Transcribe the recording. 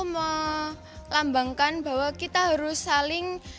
melambangkan bahwa kita harus saling